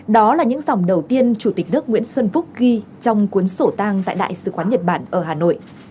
đó là những dòng đầu tiên chủ tịch nước nguyễn xuân phúc ghi trong cuốn sổ tang tại đại sứ quán nhật bản ở hà nội